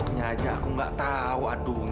minum obat dulu ya